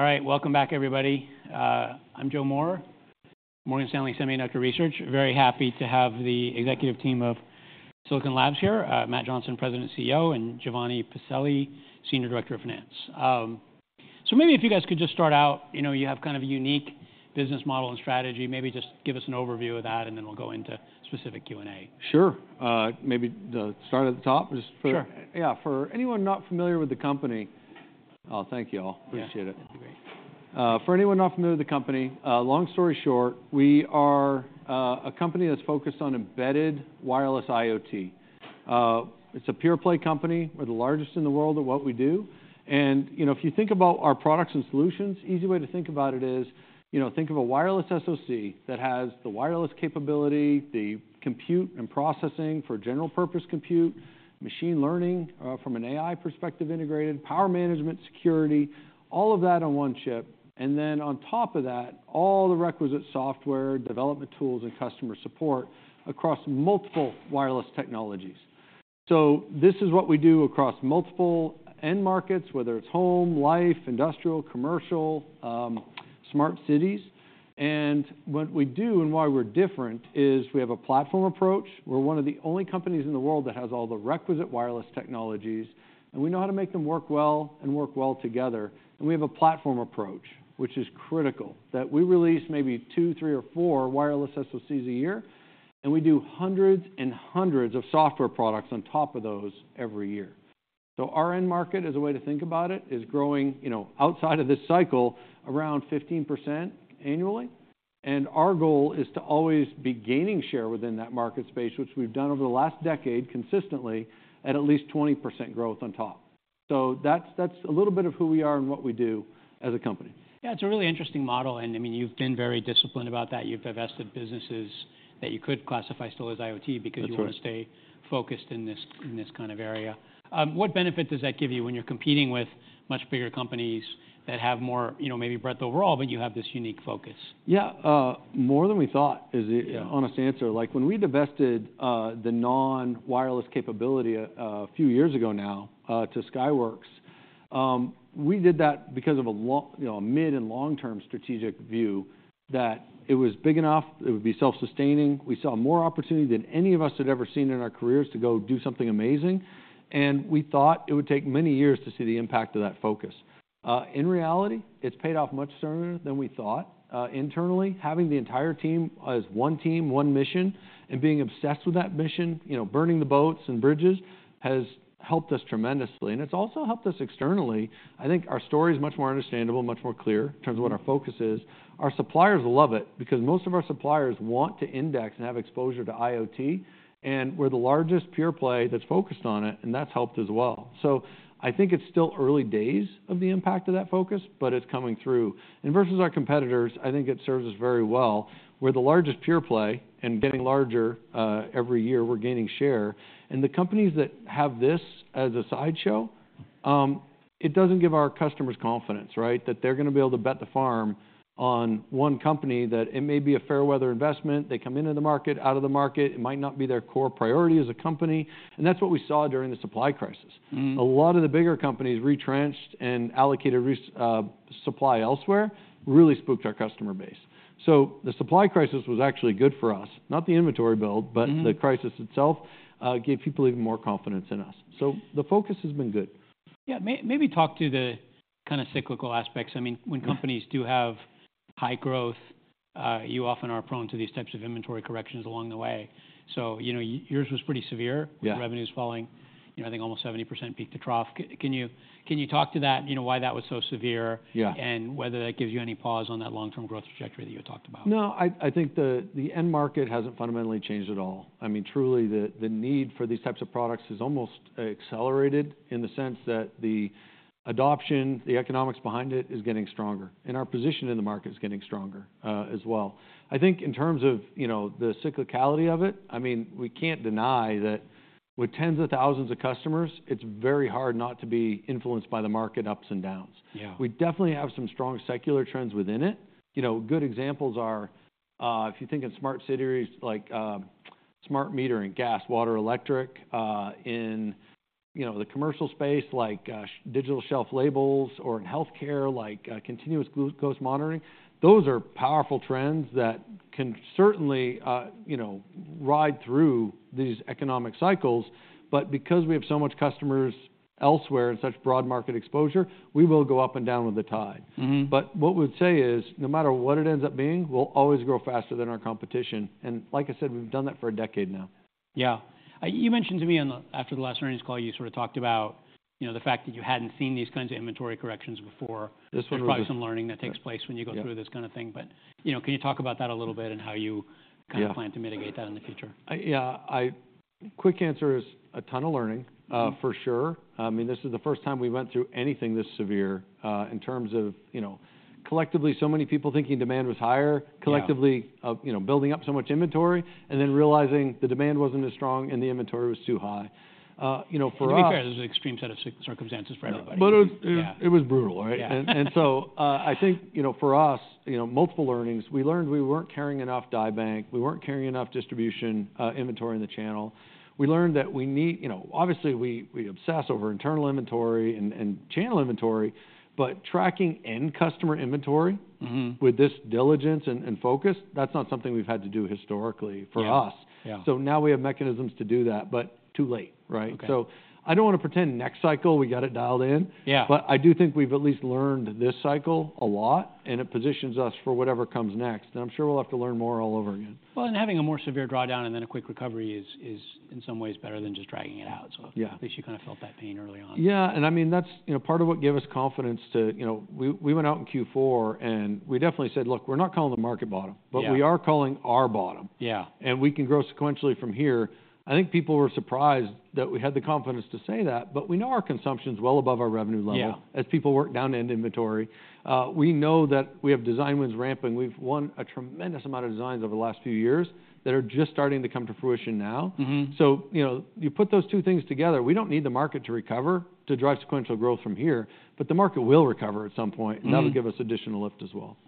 All right, welcome back, everybody. I'm Joe Moore, Morgan Stanley Semiconductor Research. Very happy to have the executive team of Silicon Labs here. Matt Johnson, President and CEO, and Giovanni Pacelli, Senior Director of Finance. So maybe if you guys could just start out, you know, you have kind of a unique business model and strategy. Maybe just give us an overview of that, and then we'll go into specific Q&A. Sure. Maybe the start at the top, just for- Sure. Yeah, for anyone not familiar with the company. Oh, thank you, all. Appreciate it. Great. For anyone not familiar with the company, long story short, we are a company that's focused on embedded wireless IoT. It's a pure-play company. We're the largest in the world at what we do, and, you know, if you think about our products and solutions, easy way to think about it is, you know, think of a wireless SoC that has the wireless capability, the compute and processing for general purpose compute, machine learning, from an AI perspective integrated, power management, security, all of that on one chip. And then on top of that, all the requisite software, development tools, and customer support across multiple wireless technologies. So this is what we do across multiple end markets, whether it's home, life, industrial, commercial, smart cities. And what we do and why we're different, is we have a platform approach. We're one of the only companies in the world that has all the requisite wireless technologies, and we know how to make them work well and work well together. And we have a platform approach, which is critical, that we release maybe 2, 3, or 4 wireless SoCs a year, and we do hundreds and hundreds of software products on top of those every year. So our end market, as a way to think about it, is growing, you know, outside of this cycle, around 15% annually, and our goal is to always be gaining share within that market space, which we've done over the last decade consistently at at least 20% growth on top. So that's, that's a little bit of who we are and what we do as a company. Yeah, it's a really interesting model, and, I mean, you've been very disciplined about that. You've divested businesses that you could classify still as IoT because you want to stay focused in this, in this kind of area. What benefit does that give you when you're competing with much bigger companies that have more, you know, maybe breadth overall, but you have this unique focus? Yeah, more than we thought is the honest answer. Like, when we divested, the non-wireless capability a few years ago now, to Skyworks, we did that because of a long- you know, a mid and long-term strategic view, that it was big enough, it would be self-sustaining. We saw more opportunity than any of us had ever seen in our careers to go do something amazing, and we thought it would take many years to see the impact of that focus. In reality, it's paid off much sooner than we thought. Internally, having the entire team as one team, one mission, and being obsessed with that mission, you know, burning the boats and bridges, has helped us tremendously, and it's also helped us externally. I think our story is much more understandable, much more clear in terms of what our focus is. Our suppliers love it because most of our suppliers want to index and have exposure to IoT, and we're the largest pure play that's focused on it, and that's helped as well. So I think it's still early days of the impact of that focus, but it's coming through. And versus our competitors, I think it serves us very well. We're the largest pure play and getting larger. Every year, we're gaining share. And the companies that have this as a sideshow, it doesn't give our customers confidence, right? That they're gonna be able to bet the farm on one company, that it may be a fair weather investment. They come into the market, out of the market. It might not be their core priority as a company, and that's what we saw during the supply crisis. A lot of the bigger companies retrenched and allocated supply elsewhere, really spooked our customer base. So the supply crisis was actually good for us, not the inventory build but the crisis itself gave people even more confidence in us. So the focus has been good. Yeah. Maybe talk to the kind of cyclical aspects. I mean when companies do have high growth, you often are prone to these types of inventory corrections along the way. So, you know, yours was pretty severe. Yeah. Revenue's falling, you know, I think almost 70% peak to trough. Can you talk to that? You know, why that was so severe and whether that gives you any pause on that long-term growth trajectory that you had talked about? No, I think the end market hasn't fundamentally changed at all. I mean, truly, the need for these types of products has almost accelerated in the sense that the adoption, the economics behind it, is getting stronger, and our position in the market is getting stronger, as well. I think in terms of, you know, the cyclicality of it, I mean, we can't deny that with tens of thousands of customers, it's very hard not to be influenced by the market ups and downs. Yeah. We definitely have some strong secular trends within it. You know, good examples are, if you think in smart cities, like, smart meter and gas, water, electric, in, you know, the commercial space, like, digital shelf labels or in healthcare, like, continuous glucose monitoring, those are powerful trends that can certainly, you know, ride through these economic cycles. But because we have so much customers elsewhere and such broad market exposure, we will go up and down with the tide. Mm-hmm. What we'd say is, no matter what it ends up being, we'll always grow faster than our competition, and like I said, we've done that for a decade now. Yeah. You mentioned to me after the last earnings call, you sort of talked about, you know, the fact that you hadn't seen these kinds of inventory corrections before. There's probably some learning that takes place-when you go through this kind of thing. But, you know, can you talk about that a little bit and how you kind of plan to mitigate that in the future? Yeah, quick answer is a ton of learning, for sure. I mean, this is the first time we went through anything this severe, in terms of, you know, collectively, so many people thinking demand was higher. Yeah. Collectively, you know, building up so much inventory and then realizing the demand wasn't as strong and the inventory was too high. You know, for us. To be fair, this is an extreme set of circumstances for everybody. But it was brutal, right? Yeah. I think, you know, for us, you know, multiple learnings. We learned we weren't carrying enough Die Bank, we weren't carrying enough distribution inventory in the channel. We learned that we need-- you know, obviously, we obsess over internal inventory and channel inventory, but tracking end customer inventory with this diligence and focus, that's not something we've had to do historically for us. Yeah, yeah. Now we have mechanisms to do that, but too late, right? Okay. I don't want to pretend next cycle we got it dialed in. Yeah. I do think we've at least learned this cycle a lot, and it positions us for whatever comes next. I'm sure we'll have to learn more all over again. Well, and having a more severe drawdown and then a quick recovery is in some ways better than just dragging it out. Yeah. At least you kind of felt that pain early on. Yeah, and I mean, that's, you know, part of what gave us confidence to... You know, we went out in Q4, and we definitely said, "Look, we're not calling the market bottom- Yeah But we are calling our bottom. Yeah. “We can grow sequentially from here.” I think people were surprised that we had the confidence to say that, but we know our consumption's well above our revenue level. Yeah As people work down end inventory. We know that we have design wins ramping. We've won a tremendous amount of designs over the last few years that are just starting to come to fruition now. Mm-hmm. So, you know, you put those two things together, we don't need the market to recover to drive sequential growth from here, but the market will recover at some point and that'll give us additional lift as well.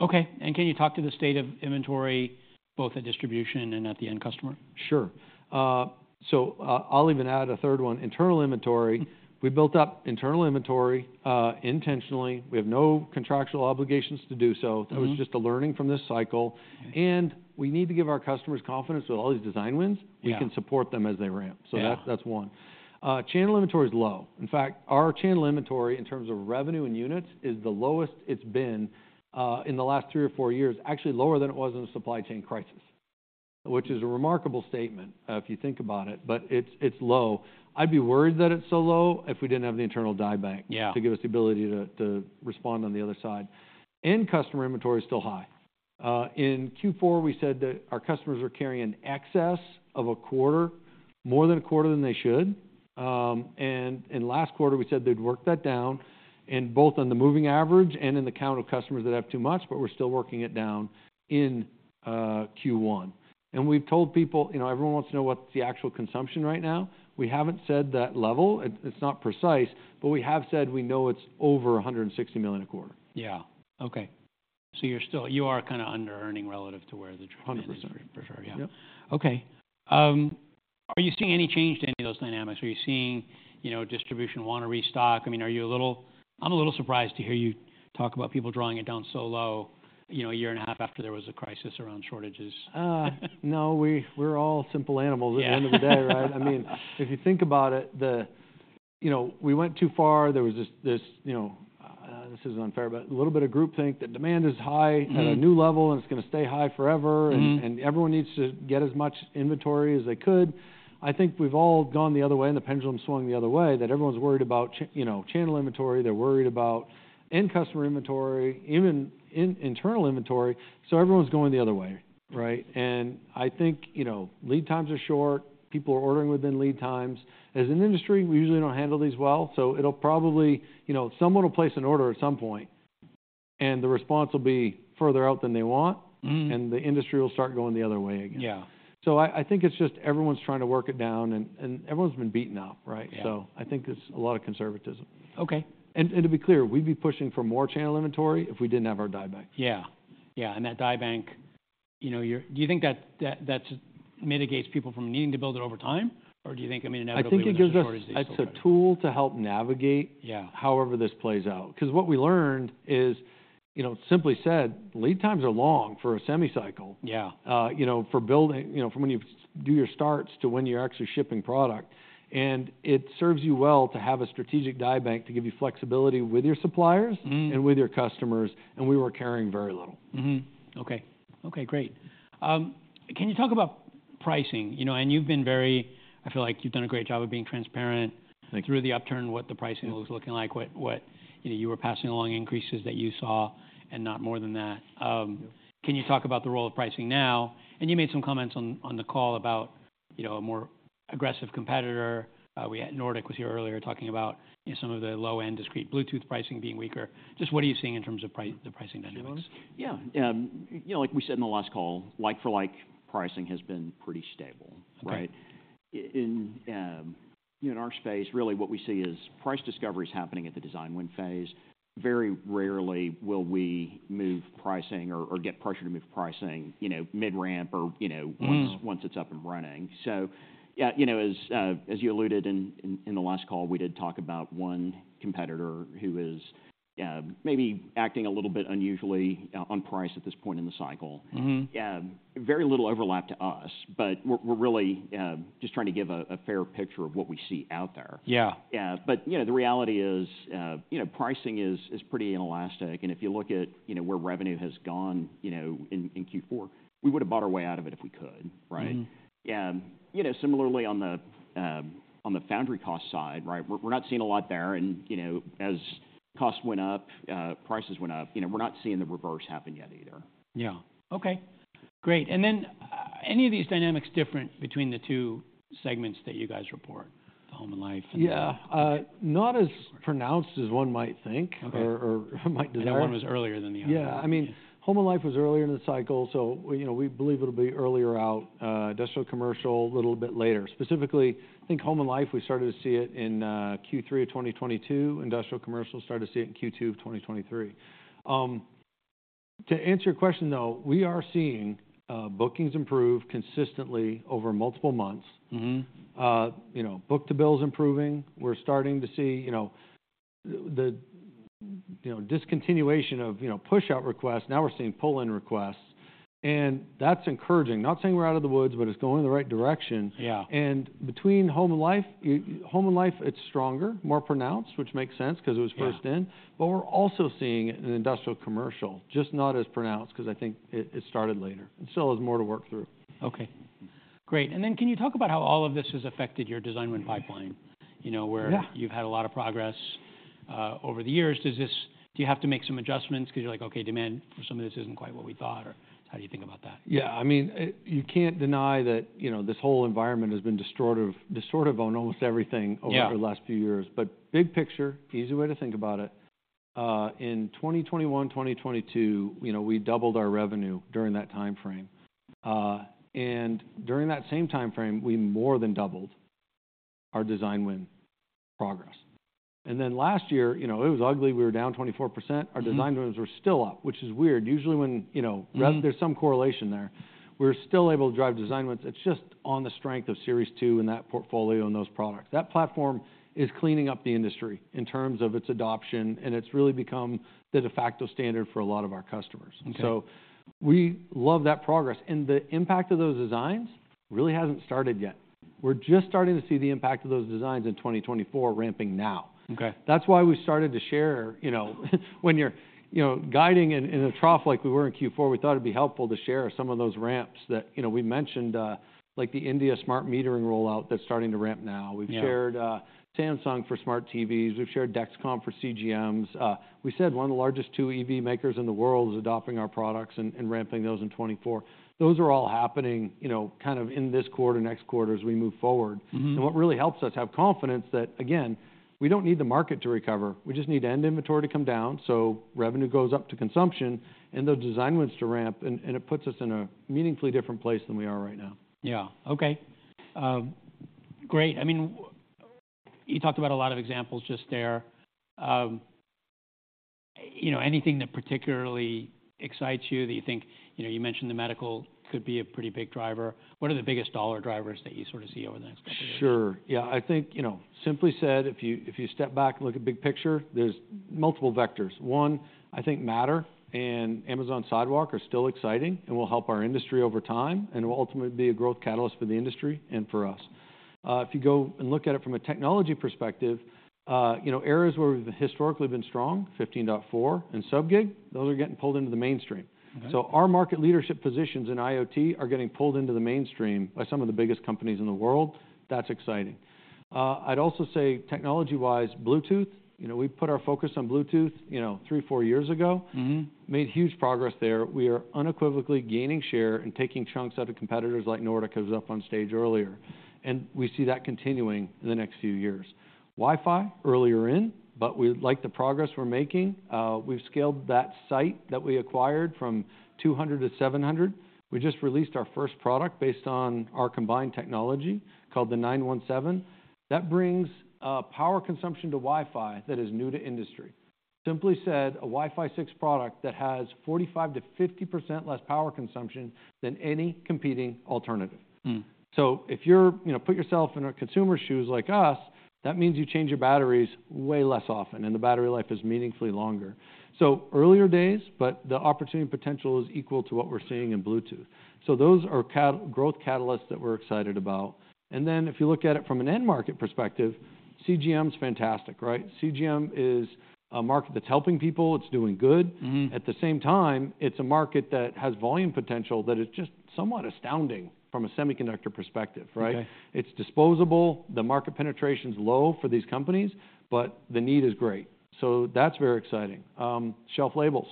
Okay. And can you talk to the state of inventory, both at distribution and at the end customer? Sure. So, I'll even add a third one, internal inventory we built up internal inventory, intentionally. We have no contractual obligations to do so. Mm-hmm. That was just a learning from this cycle. We need to give our customers confidence with all these design wins we can support them as they ramp. Yeah. So that's, that's one. Channel inventory is low. In fact, our channel inventory, in terms of revenue and units, is the lowest it's been in the last three or four years, actually, lower than it was in the supply chain crisis, which is a remarkable statement, if you think about it, but it's, it's low. I'd be worried that it's so low if we didn't have the internal Die Bank. Yeah To give us the ability to, to respond on the other side. End customer inventory is still high. In Q4, we said that our customers are carrying excess of a quarter, more than a quarter than they should. And in last quarter, we said they'd worked that down, and both on the moving average and in the count of customers that have too much, but we're still working it down in Q1. And we've told people... You know, everyone wants to know what's the actual consumption right now. We haven't said that level. It, it's not precise, but we have said we know it's over 160 million a quarter. Yeah. Okay. So you're kind of under-earning relative to where the trend is- 100% For sure, yeah. Yep. Okay. Are you seeing any change to any of those dynamics? Are you seeing, you know, distribution want to restock? I mean, I'm a little surprised to hear you talk about people drawing it down so low, you know, a year and a half after there was a crisis around shortages. No, we're all simple animals. Yeah At the end of the day, right? I mean, if you think about it, you know, we went too far. There was this, you know. This isn't unfair, but a little bit of groupthink, that demand is high. Mm-hmm At a new level, and it's gonna stay high forever. Mm-hmm And everyone needs to get as much inventory as they could. I think we've all gone the other way, and the pendulum swung the other way, that everyone's worried about, you know, channel inventory. They're worried about end customer inventory, even internal inventory. So everyone's going the other way, right? And I think, you know, lead times are short. People are ordering within lead times. As an industry, we usually don't handle these well, so it'll probably... You know, someone will place an order at some point, and the response will be further out than they want- Mm-hmm And the industry will start going the other way again. Yeah. I think it's just everyone's trying to work it down, and everyone's been beaten up, right? Yeah. I think there's a lot of conservatism. Okay. And to be clear, we'd be pushing for more channel inventory if we didn't have our Die Bank. Yeah. Yeah, and that Die Bank, you know, you're—do you think that mitigates people from needing to build it over time? Or do you think, I mean, inevitably- I think it gives us- It's still better. It's a tool to help navigate- Yeah However this plays out. Because what we learned is, you know, simply said, lead times are long for a semi cycle. Yeah. You know, for building, you know, from when you do your starts to when you're actually shipping product. And it serves you well to have a strategic Die Bank to give you flexibility with your suppliers- Mm-hmm And with your customers, and we were carrying very little. Mm-hmm. Okay. Okay, great. Can you talk about pricing? You know, and you've been very—I feel like you've done a great job of being transparent- Thank you Through the upturn, what the pricing was looking like, what you know, you were passing along increases that you saw and not more than that. Can you talk about the role of pricing now? You made some comments on the call about, you know, a more aggressive competitor. Nordic was here earlier, talking about, you know, some of the low-end discrete Bluetooth pricing being weaker. Just what are you seeing in terms of the pricing dynamics? Sure. Yeah, you know, like we said in the last call, like-for-like pricing has been pretty stable, right? Okay. In our space, really what we see is price discovery is happening at the design win phase. Very rarely will we move pricing or get pressure to move pricing, you know, mid-ramp or, you know- Mm-hmm Once it's up and running. So yeah, you know, as you alluded in the last call, we did talk about one competitor who is maybe acting a little bit unusually on price at this point in the cycle. Mm-hmm. Very little overlap to us, but we're really just trying to give a fair picture of what we see out there. Yeah. Yeah, but, you know, the reality is, you know, pricing is pretty inelastic, and if you look at, you know, where revenue has gone, you know, in Q4, we would've bought our way out of it if we could, right? Mm-hmm. You know, similarly, on the foundry cost side, right? We're not seeing a lot there, and, you know, costs went up, prices went up. You know, we're not seeing the reverse happen yet either. Yeah. Okay, great. And then, any of these dynamics different between the two segments that you guys report, the Home and Life and- Yeah, not as pronounced as one might think or might desire. That one was earlier than the other one. Yeah, I mean, Home and Life was earlier in the cycle, so we, you know, we believe it'll be earlier out, industrial, commercial, a little bit later. Specifically, I think Home and Life, we started to see it in Q3 of 2022. Industrial, commercial, started to see it in Q2 of 2023. To answer your question, though, we are seeing bookings improve consistently over multiple months. Mm-hmm. You know, book-to-bill's improving. We're starting to see, you know, the, you know, discontinuation of, you know, push-out requests. Now we're seeing pull-in requests, and that's encouraging. Not saying we're out of the woods, but it's going in the right direction. Yeah. And between Home and Life, Home and Life, it's stronger, more pronounced, which makes sense, 'cause it was first in. Yeah. But we're also seeing it in Industrial & Commercial, just not as pronounced, 'cause I think it, it started later and still has more to work through. Okay, great. And then, can you talk about how all of this has affected your design win pipeline? You know, where- Yeah You've had a lot of progress over the years. Do you have to make some adjustments 'cause you're like, "Okay, demand for some of this isn't quite what we thought," or how do you think about that? Yeah, I mean, it, you can't deny that, you know, this whole environment has been distortive, distortive on almost everything- Yeah Over the last few years. But big picture, easy way to think about it, in 2021, 2022, you know, we doubled our revenue during that timeframe. And during that same timeframe, we more than doubled our design win progress. And then last year, you know, it was ugly. We were down 24%. Mm-hmm. Our design wins were still up, which is weird. Usually when, you know rev, there's some correlation there. We're still able to drive design wins. It's just on the strength of Series 2 and that portfolio and those products. That platform is cleaning up the industry in terms of its adoption, and it's really become the de facto standard for a lot of our customers. Okay. So we love that progress, and the impact of those designs really hasn't started yet. We're just starting to see the impact of those designs in 2024 ramping now. Okay. That's why we started to share, you know, when you're guiding in a trough like we were in Q4, we thought it'd be helpful to share some of those ramps that... You know, we mentioned, like, the India smart metering rollout that's starting to ramp now. Yeah. We've shared, Samsung for smart TVs. We've shared Dexcom for CGMs. We said one of the largest two EV makers in the world is adopting our products and, and ramping those in 2024. Those are all happening, you know, kind of in this quarter, next quarter, as we move forward. And what really helps us have confidence that, again, we don't need the market to recover. We just need end inventory to come down, so revenue goes up to consumption and those design wins to ramp, and, and it puts us in a meaningfully different place than we are right now. Yeah. Okay. Great. I mean, you talked about a lot of examples just there. You know, anything that particularly excites you, that you think—you know, you mentioned the medical could be a pretty big driver. What are the biggest dollar drivers that you sort of see over the next couple of years? Sure. Yeah, I think, you know, simply said, if you, if you step back and look at big picture, there's multiple vectors. One, I think Matter and Amazon Sidewalk are still exciting and will help our industry over time, and will ultimately be a growth catalyst for the industry and for us. If you go and look at it from a technology perspective, you know, areas where we've historically been strong, 15.4 and sub-GHz, those are getting pulled into the mainstream. Okay. So our market leadership positions in IoT are getting pulled into the mainstream by some of the biggest companies in the world. That's exciting. I'd also say technology-wise, Bluetooth. You know, we put our focus on Bluetooth, you know, 3, 4 years ago. Made huge progress there. We are unequivocally gaining share and taking chunks out of competitors like Nordic, who was up on stage earlier, and we see that continuing in the next few years. Wi-Fi, earlier in, but we like the progress we're making. We've scaled that site that we acquired from 200 to 700. We just released our first product based on our combined technology, called the 917. That brings power consumption to Wi-Fi that is new to industry. Simply said, a Wi-Fi 6 product that has 45%-50% less power consumption than any competing alternative. Hmm. So if you're, you know, put yourself in our consumer shoes like us, that means you change your batteries way less often, and the battery life is meaningfully longer. So early days, but the opportunity potential is equal to what we're seeing in Bluetooth. So those are category growth catalysts that we're excited about. And then, if you look at it from an end market perspective, CGM is fantastic, right? CGM is a market that's helping people. It's doing good. Mm-hmm. At the same time, it's a market that has volume potential that is just somewhat astounding from a semiconductor perspective, right? Okay. It's disposable. The market penetration's low for these companies, but the need is great. So that's very exciting. Shelf labels,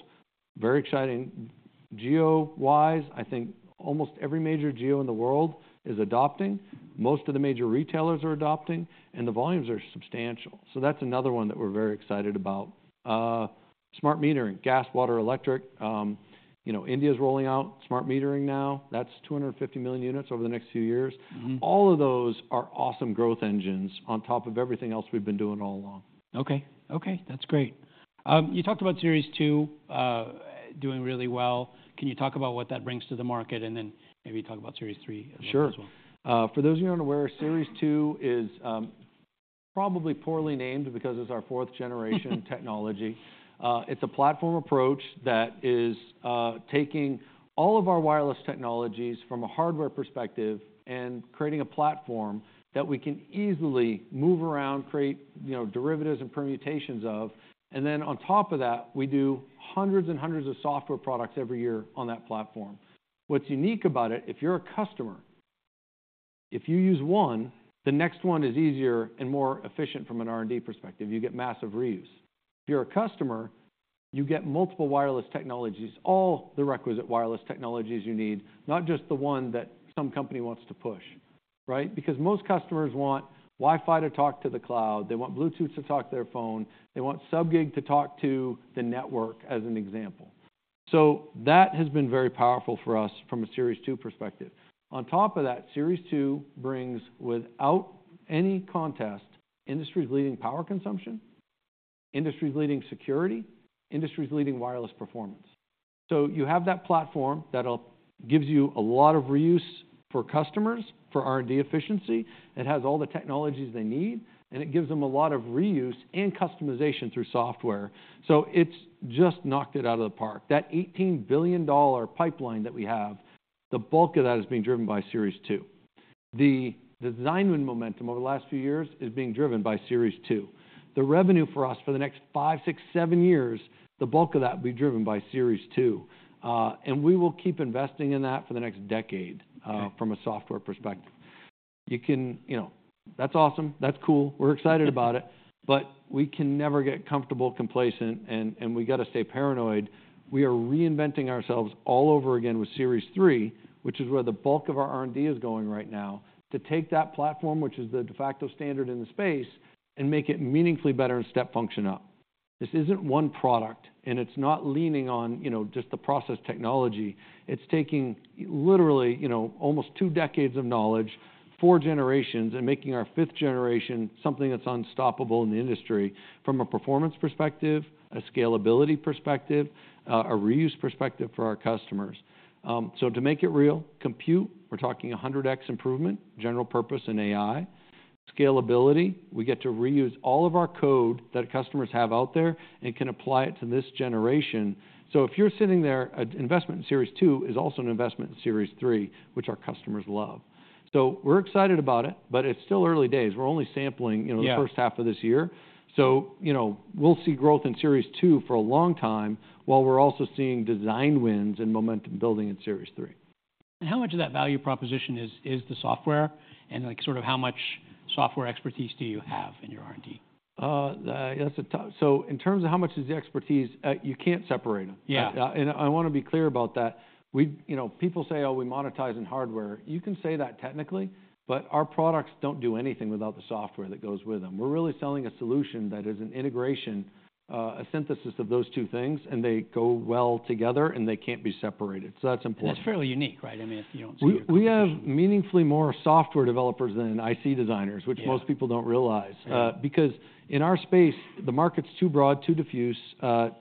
very exciting. Geo-wise, I think almost every major geo in the world is adopting, most of the major retailers are adopting, and the volumes are substantial. So that's another one that we're very excited about. Smart metering, gas, water, electric, you know, India's rolling out smart metering now. That's 250 million units over the next few years. Mm-hmm. All of those are awesome growth engines on top of everything else we've been doing all along. Okay. Okay, that's great. You talked about Series 2 doing really well. Can you talk about what that brings to the market? And then maybe talk about Series 3 as well. Sure For those who aren't aware, Series 2 is probably poorly named because it's our fourth generation technology. It's a platform approach that is taking all of our wireless technologies from a hardware perspective and creating a platform that we can easily move around, create, you know, derivatives and permutations of. And then on top of that, we do hundreds and hundreds of software products every year on that platform. What's unique about it, if you're a customer, if you use one, the next one is easier and more efficient from an R&D perspective. You get massive reuse. If you're a customer, you get multiple wireless technologies, all the requisite wireless technologies you need, not just the one that some company wants to push, right? Because most customers want Wi-Fi to talk to the cloud, they want Bluetooth to talk to their phone, they want sub-GHz to talk to the network, as an example. So that has been very powerful for us from a Series 2 perspective. On top of that, Series 2 brings, without any contest, industry's leading power consumption, industry's leading security, industry's leading wireless performance. So you have that platform that'll gives you a lot of reuse for customers, for R&D efficiency, it has all the technologies they need, and it gives them a lot of reuse and customization through software. So it's just knocked it out of the park. That $18 billion pipeline that we have, the bulk of that is being driven by Series 2. The design win momentum over the last few years is being driven by Series 2. The revenue for us for the next 5, 6, 7 years, the bulk of that will be driven by Series 2. And we will keep investing in that for the next decade, from a software perspective. You can, you know, that's awesome, that's cool, we're excited about it, but we can never get comfortable, complacent, and we got to stay paranoid. We are reinventing ourselves all over again with Series 3, which is where the bulk of our R&D is going right now, to take that platform, which is the de facto standard in the space, and make it meaningfully better and step function up. This isn't one product, and it's not leaning on, you know, just the process technology. It's taking literally, you know, almost two decades of knowledge, four generations, and making our fifth generation something that's unstoppable in the industry from a performance perspective, a scalability perspective, a reuse perspective for our customers. So to make it real, compute, we're talking 100x improvement, general purpose and AI. Scalability, we get to reuse all of our code that customers have out there and can apply it to this generation. So if you're sitting there, an investment in Series 2 is also an investment in Series 3, which our customers love. So we're excited about it, but it's still early days. We're only sampling, you know the first half of this year. So, you know, we'll see growth in Series 2 for a long time, while we're also seeing design wins and momentum building in Series 3. And how much of that value proposition is the software? And, like, sort of how much software expertise do you have in your R&D? So in terms of how much is the expertise, you can't separate them. Yeah. I want to be clear about that. We, you know, people say, "Oh, we monetize in hardware." You can say that technically, but our products don't do anything without the software that goes with them. We're really selling a solution that is an integration, a synthesis of those two things, and they go well together, and they can't be separated, so that's important. And that's fairly unique, right? I mean, if you don't see it- We have meaningfully more software developers than IC designers which most people don't realize. Yeah. Because in our space, the market's too broad, too diffuse,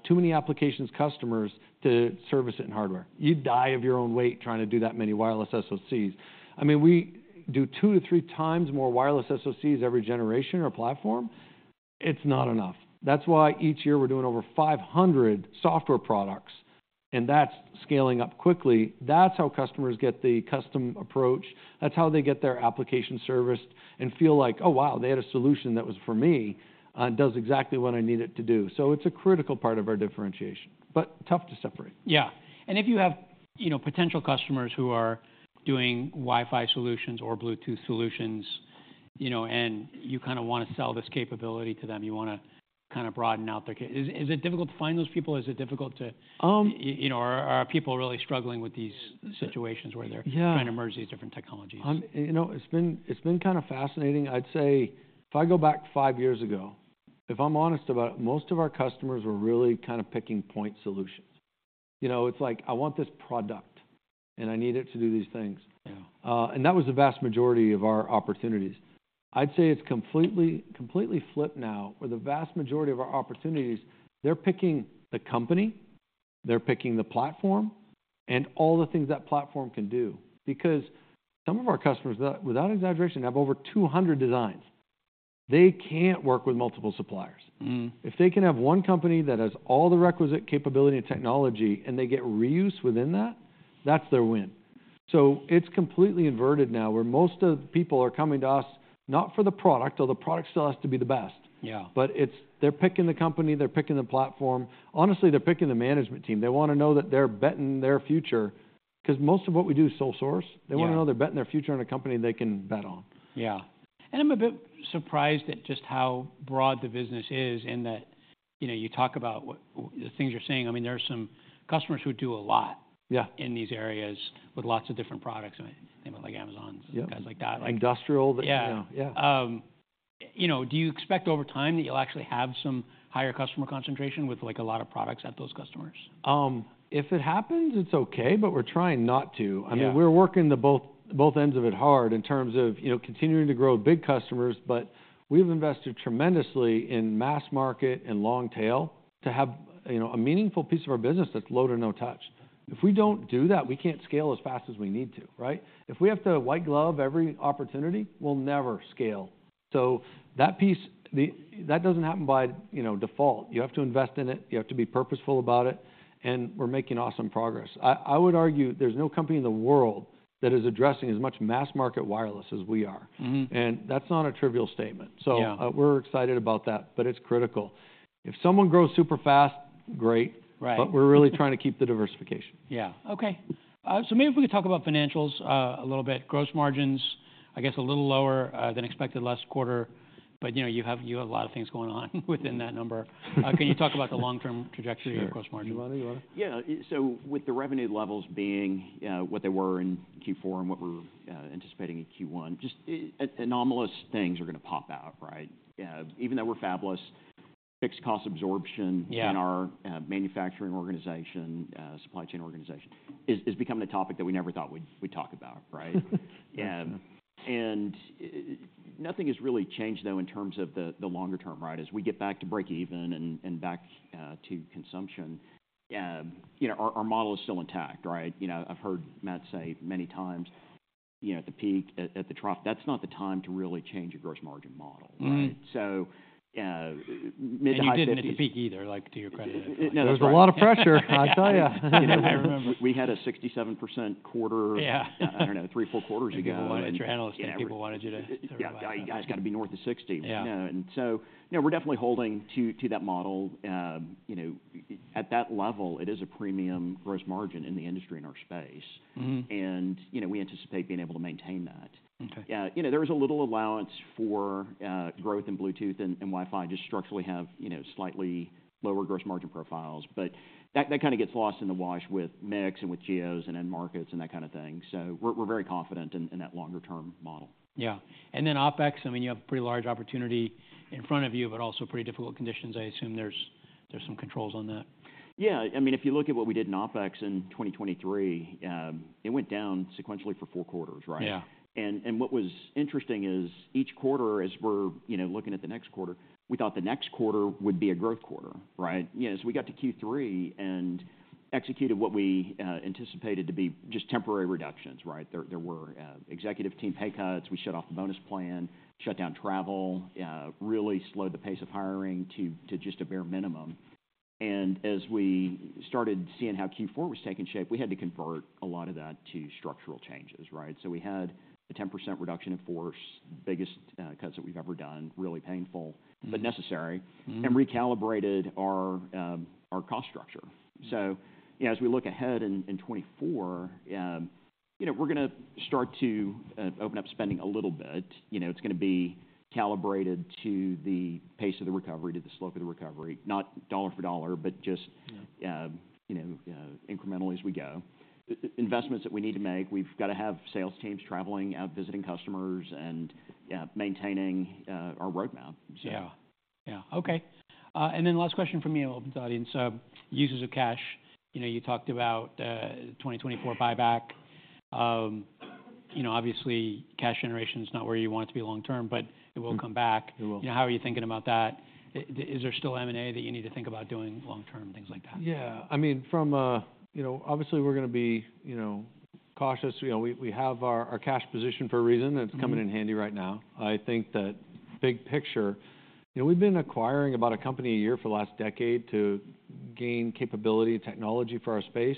too many applications customers to service it in hardware. You'd die of your own weight trying to do that many wireless SoCs. I mean, we do 2-3 times more wireless SoCs every generation or platform. It's not enough. That's why each year we're doing over 500 software products, and that's scaling up quickly. That's how customers get the custom approach, that's how they get their application serviced and feel like, "Oh, wow, they had a solution that was for me, and does exactly what I need it to do." So it's a critical part of our differentiation, but tough to separate. Yeah. And if you have, you know, potential customers who are doing Wi-Fi solutions or Bluetooth solutions, you know, and you kind of want to sell this capability to them, you wanna kind of broaden out their ca- Is, is it difficult to find those people? Is it difficult to you know, or are people really struggling with these situations where they're trying to merge these different technologies? You know, it's been kind of fascinating. I'd say if I go back five years ago, if I'm honest about it, most of our customers were really kind of picking point solutions. You know, it's like: I want this product, and I need it to do these things. Yeah. That was the vast majority of our opportunities. I'd say it's completely, completely flipped now, where the vast majority of our opportunities, they're picking the company, they're picking the platform, and all the things that platform can do. Because some of our customers, that, without exaggeration, have over 200 designs, they can't work with multiple suppliers. Mm-hmm. If they can have one company that has all the requisite capability and technology, and they get reuse within that, that's their win. So it's completely inverted now, where most of the people are coming to us, not for the product, though the product still has to be the best. Yeah. But it's, they're picking the company, they're picking the platform. Honestly, they're picking the management team. They wanna know that they're betting their future, 'cause most of what we do is sole source. Yeah. They wanna know they're betting their future on a company they can bet on. Yeah. And I'm a bit surprised at just how broad the business is in that, you know, you talk about what... The things you're saying, I mean, there are some customers who do a lot- Yeah In these areas with lots of different products, I mean, you know, like Amazon's- Yeah Guys like that. Industrial. Yeah. Yeah, yeah. You know, do you expect over time that you'll actually have some higher customer concentration with, like, a lot of products at those customers? If it happens, it's okay, but we're trying not to. Yeah. I mean, we're working the both, both ends of it hard in terms of, you know, continuing to grow big customers, but we've invested tremendously in mass market and long tail to have, you know, a meaningful piece of our business that's low to no touch. If we don't do that, we can't scale as fast as we need to, right? If we have to white glove every opportunity, we'll never scale. So that piece, the, that doesn't happen by, you know, default. You have to invest in it, you have to be purposeful about it, and we're making awesome progress. I, I would argue there's no company in the world that is addressing as much mass market wireless as we are. Mm-hmm. That's not a trivial statement. Yeah. We're excited about that, but it's critical. If someone grows super fast, great. Right. But we're really trying to keep the diversification. Yeah. Okay. So maybe if we could talk about financials, a little bit. Gross margins, I guess, a little lower than expected last quarter, but, you know, you have, you have a lot of things going on within that number. Can you talk about the long-term trajectory of gross margin? Sure. You want to? You want to- Yeah. So with the revenue levels being what they were in Q4 and what we're anticipating in Q1, just anomalous things are gonna pop out, right? Even though we're fabless, fixed cost absorption- Yeah in our manufacturing organization, supply chain organization is becoming a topic that we never thought we'd talk about, right? Yeah. Nothing has really changed, though, in terms of the longer term, right? As we get back to breakeven and back to consumption, you know, our model is still intact, right? You know, I've heard Matt say many times, you know, at the peak, at the trough, that's not the time to really change a gross margin model, right? Mm-hmm. So, mid- to high fifties- You didn't at the peak either, like, to your credit. No, that's right. There was a lot of pressure, I tell you. I remember. We had a 67% quarter I don't know, 3, 4 quarters ago. And people wanted your analyst, and people wanted you to- Yeah, it's got to be north of 60. Yeah. You know, and so, you know, we're definitely holding to that model. You know, at that level, it is a premium gross margin in the industry, in our space. Mm-hmm. You know, we anticipate being able to maintain that. Okay. You know, there is a little allowance for growth in Bluetooth and Wi-Fi, just structurally have, you know, slightly lower gross margin profiles. But that kind of gets lost in the wash with mix, and with geos, and end markets, and that kind of thing. So we're very confident in that longer term model. Yeah. And then OpEx, I mean, you have a pretty large opportunity in front of you, but also pretty difficult conditions. I assume there's some controls on that. Yeah. I mean, if you look at what we did in OpEx in 2023, it went down sequentially for four quarters, right? Yeah. What was interesting is each quarter, as we're, you know, looking at the next quarter, we thought the next quarter would be a growth quarter, right? You know, so we got to Q3 and executed what we anticipated to be just temporary reductions, right? There were executive team pay cuts. We shut off the bonus plan, shut down travel, really slowed the pace of hiring to just a bare minimum. And as we started seeing how Q4 was taking shape, we had to convert a lot of that to structural changes, right? So we had a 10% reduction in force, the biggest cuts that we've ever done, really painful but necessary. Mm-hmm. Recalibrated our cost structure. Mm-hmm. So, you know, as we look ahead in 2024, you know, we're gonna start to open up spending a little bit. You know, it's gonna be calibrated to the pace of the recovery, to the slope of the recovery. Not dollar-for-dollar, but just you know, incrementally as we go. Investments that we need to make, we've got to have sales teams traveling, out visiting customers, and, maintaining, our roadmap, so. Yeah. Yeah. Okay. And then last question from me, open to the audience. So uses of cash. You know, you talked about 2024 buyback. You know, obviously, cash generation is not where you want it to be long term, but it will come back. It will. You know, how are you thinking about that? Is there still M&A that you need to think about doing long term, things like that? Yeah. I mean, from a—you know, obviously, we're gonna be, you know, cautious. You know, we, we have our, our cash position for a reason. Mm-hmm. It's coming in handy right now. I think that big picture, you know, we've been acquiring about a company a year for the last decade to gain capability and technology for our space.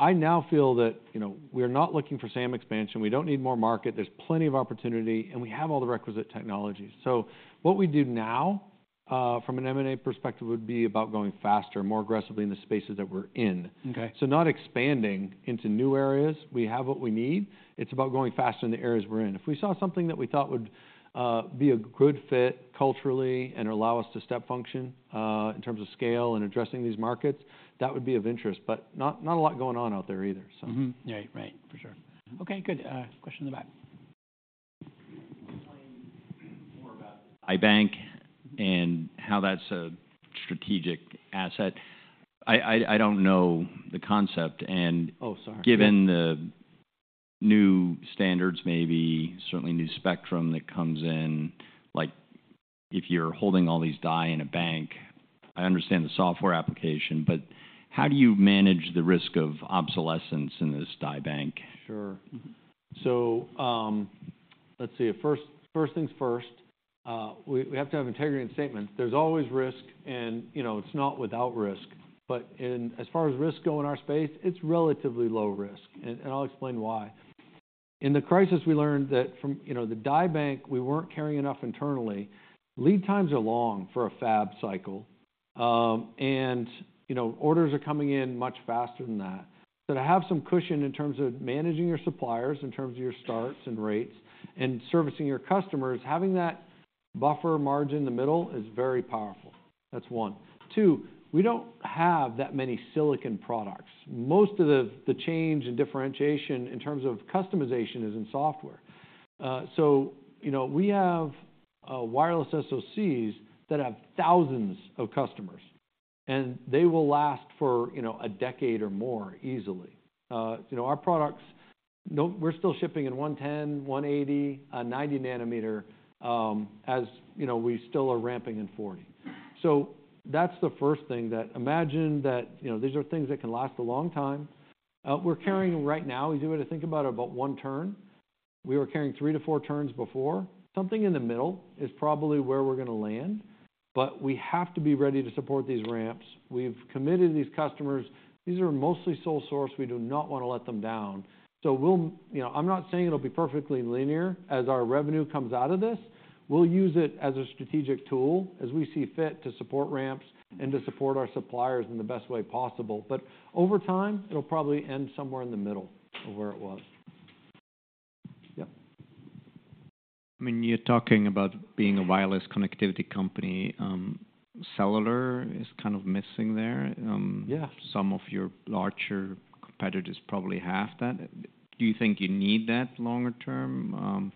I now feel that, you know, we're not looking for SAM expansion. We don't need more market. There's plenty of opportunity, and we have all the requisite technologies. So what we do now, from an M&A perspective, would be about going faster and more aggressively in the spaces that we're in. Okay. So not expanding into new areas. We have what we need. It's about going faster in the areas we're in. If we saw something that we thought would be a good fit culturally and allow us to step function in terms of scale and addressing these markets, that would be of interest, but not a lot going on out there either, so. Mm-hmm. Right, right. For sure. Okay, good. Question in the back. Tell me more about Die Bank and how that's a strategic asset. I don't know the concept and- Oh, sorry. Given the new standards, maybe certainly new spectrum that comes in, like, if you're holding all these die in a Die Bank, I understand the software application, but how do you manage the risk of obsolescence in this Die Bank? Sure. So, let's see. First, first things first, we have to have integrity in statements. There's always risk and, you know, it's not without risk, but in, as far as risks go in our space, it's relatively low risk, and, and I'll explain why. In the crisis, we learned that from, you know, the Die Bank, we weren't carrying enough internally. Lead times are long for a fab cycle. And, you know, orders are coming in much faster than that. So to have some cushion in terms of managing your suppliers, in terms of your starts and rates, and servicing your customers, having that buffer margin in the middle is very powerful. That's one. Two, we don't have that many Silicon products. Most of the, the change and differentiation in terms of customization is in software. So you know, we have wireless SoCs that have thousands of customers, and they will last for, you know, a decade or more, easily. You know, our products, we're still shipping in 110, 180, 90 nanometer, as you know, we still are ramping in 40. So that's the first thing, that imagine that, you know, these are things that can last a long time. We're carrying right now, we do what I think about 1 turn. We were carrying 3-4 turns before. Something in the middle is probably where we're gonna land, but we have to be ready to support these ramps. We've committed to these customers. These are mostly sole source. We do not want to let them down. So we'll. You know, I'm not saying it'll be perfectly linear as our revenue comes out of this. We'll use it as a strategic tool, as we see fit, to support ramps and to support our suppliers in the best way possible. But over time, it'll probably end somewhere in the middle of where it was. Yeah? I mean, you're talking about being a wireless connectivity company. Cellular is kind of missing there. Yeah. Some of your larger competitors probably have that. Do you think you need that longer term?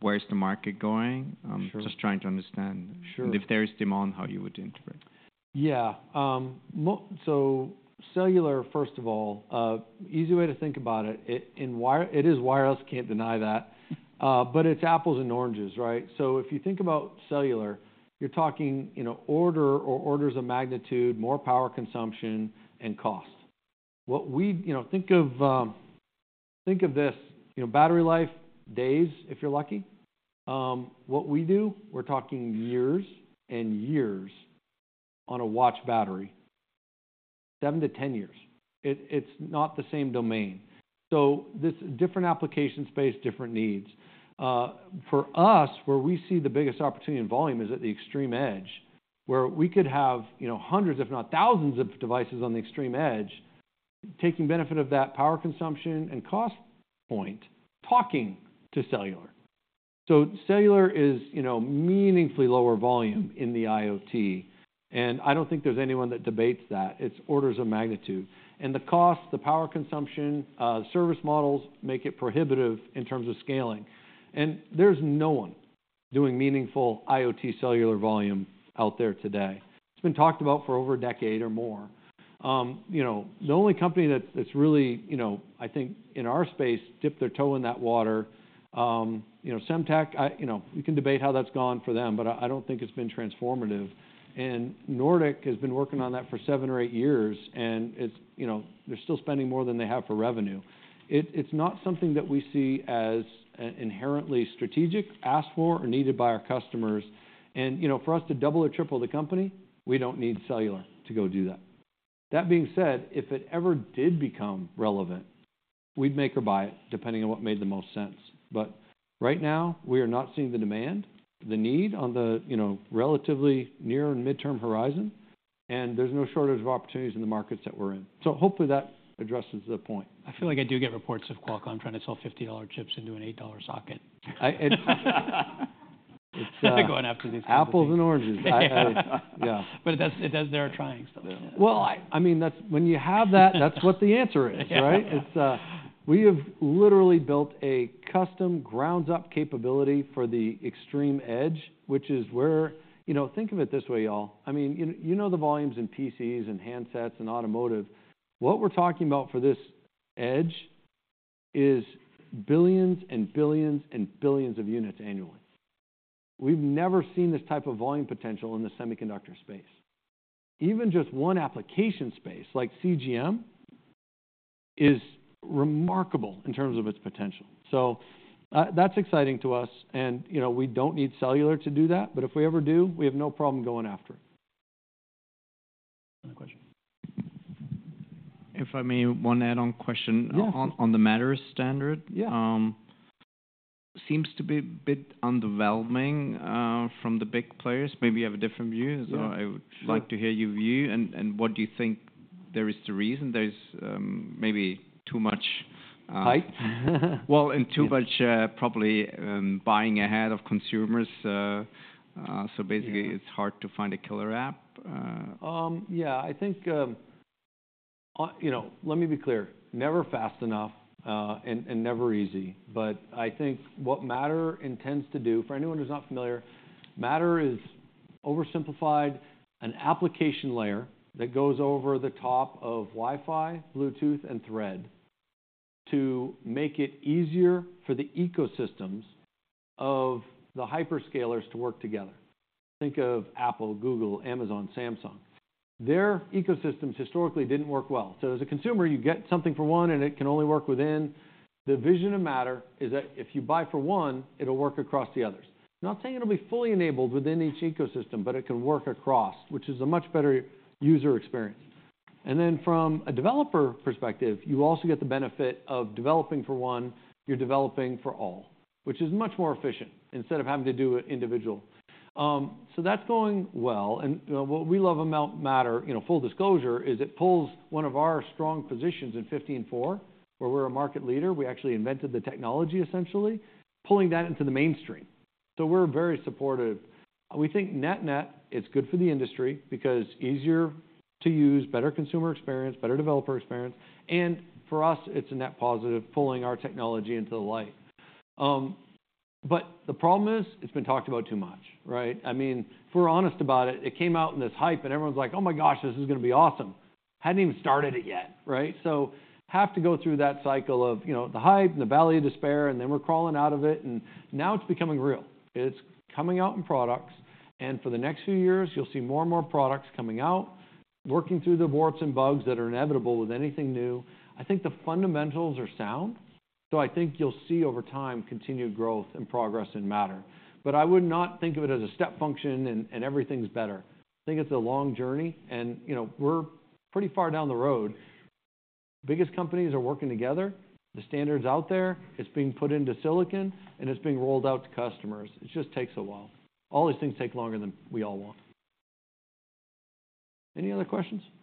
Where's the market going? Sure. Just trying to understand- Sure and if there is demand, how you would interpret? Yeah. So cellular, first of all, easy way to think about it, it is wireless, can't deny that, but it's apples and oranges, right? So if you think about cellular, you're talking, you know, order or orders of magnitude, more power consumption and cost. You know, think of this, you know, battery life, days, if you're lucky. What we do, we're talking years and years on a watch battery, 7-10 years. It’s not the same domain. So this different application space, different needs. For us, where we see the biggest opportunity in volume is at the extreme edge, where we could have, you know, hundreds, if not thousands of devices on the extreme edge, taking benefit of that power consumption and cost point, talking to cellular. So cellular is, you know, meaningfully lower volume in the IoT, and I don't think there's anyone that debates that. It's orders of magnitude. And the cost, the power consumption, service models, make it prohibitive in terms of scaling. And there's no one doing meaningful IoT cellular volume out there today. It's been talked about for over a decade or more. You know, the only company that's really, you know, I think, in our space, dipped their toe in that water, you know, Semtech. You know, we can debate how that's gone for them, but I don't think it's been transformative. And Nordic has been working on that for seven or eight years, and it's, you know, they're still spending more than they have for revenue. It's not something that we see as inherently strategic, asked for, or needed by our customers. You know, for us to double or triple the company, we don't need cellular to go do that. That being said, if it ever did become relevant, we'd make or buy it, depending on what made the most sense. But right now, we are not seeing the demand, the need on the, you know, relatively near and midterm horizon, and there's no shortage of opportunities in the markets that we're in. Hopefully that addresses the point. I feel like I do get reports of Qualcomm trying to sell $50 chips into an $8 socket. They're going after these- Apples and oranges. Yeah. Yeah. But that's it. They are trying still. Well, I mean, that's what the answer is, right? Yeah. It's we have literally built a custom ground up capability for the extreme edge, which is where... You know, think of it this way, y'all. I mean, you know the volumes in PCs and handsets and automotive, what we're talking about for this edge is billions and billions and billions of units annually. We've never seen this type of volume potential in the semiconductor space. Even just one application space, like CGM, is remarkable in terms of its potential. So, that's exciting to us and, you know, we don't need cellular to do that, but if we ever do, we have no problem going after it. Any question? If I may, one add-on question on the Matter standard. Yeah. Seems to be a bit underwhelming from the big players. Maybe you have a different view. Yeah. I would like to hear your view, and what do you think there is the reason there's maybe too much... Hype? Well, too much, probably, buying ahead of consumers so basically, it's hard to find a killer app? Yeah, I think, you know, let me be clear, never fast enough, and never easy. But I think what Matter intends to do, for anyone who's not familiar, Matter is oversimplified, an application layer that goes over the top of Wi-Fi, Bluetooth, and Thread, to make it easier for the ecosystems of the hyperscalers to work together. Think of Apple, Google, Amazon, Samsung. Their ecosystems historically didn't work well. So as a consumer, you get something for one, and it can only work within. The vision of Matter is that if you buy for one, it'll work across the others. Not saying it'll be fully enabled within each ecosystem, but it can work across, which is a much better user experience. From a developer perspective, you also get the benefit of developing for one, you're developing for all, which is much more efficient, instead of having to do it individual. So that's going well. What we love about Matter, you know, full disclosure, is it pulls one of our strong positions in 15.4, where we're a market leader. We actually invented the technology, essentially, pulling that into the mainstream. So we're very supportive. We think net-net, it's good for the industry because easier to use, better consumer experience, better developer experience, and for us, it's a net positive, pulling our technology into the light. But the problem is, it's been talked about too much, right? I mean, if we're honest about it, it came out in this hype, and everyone's like, "Oh, my gosh, this is gonna be awesome!" Hadn't even started it yet, right? So have to go through that cycle of, you know, the hype and the valley of despair, and then we're crawling out of it, and now it's becoming real. It's coming out in products, and for the next few years, you'll see more and more products coming out, working through the warts and bugs that are inevitable with anything new. I think the fundamentals are sound, so I think you'll see over time, continued growth and progress in Matter. But I would not think of it as a step function and, and everything's better. I think it's a long journey, and, you know, we're pretty far down the road. Biggest companies are working together, the standards out there, it's being put into Silicon, and it's being rolled out to customers. It just takes a while. All these things take longer than we all want. Any other questions?